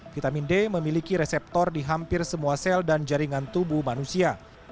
vitamin d memiliki reseptor di hampir semua sel dan jaringan tubuh manusia